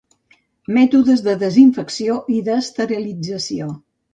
Mètodes de desinfecció i d'esterilització.